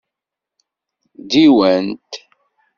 Diwan-t.